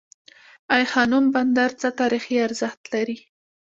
ای خانم بندر څه تاریخي ارزښت لري؟